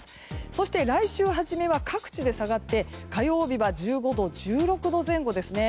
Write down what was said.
そして来週初めは各地で下がって火曜日は１５度、１６度前後ですね。